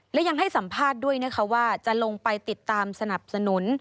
และยังให้สัมภาษณ์ด้วยนะคะว่าจะลงไปติดตามสนับสนุน